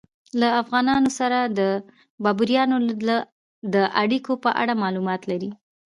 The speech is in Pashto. له افغانانو سره د بابریانو د اړیکو په اړه معلومات لرئ؟